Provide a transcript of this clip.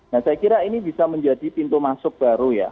nah saya kira ini bisa menjadi pintu masuk baru ya